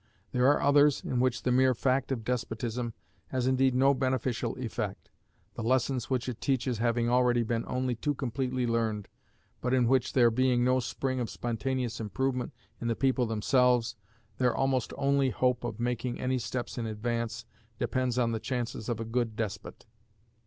There are others, in which the mere fact of despotism has indeed no beneficial effect, the lessons which it teaches having already been only too completely learned, but in which, there being no spring of spontaneous improvement in the people themselves, their almost only hope of making any steps in advance depends on the chances of a good despot.